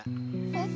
えっ？